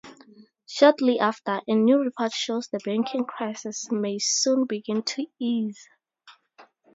Shortly after, a new report shows the banking crisis may soon begin to ease.